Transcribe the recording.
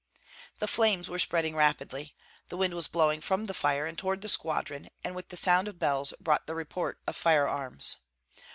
The flames were spreading rapidly. The wind was blowing from the fire and toward the squadron, and with the sound of bells brought the report of firearms.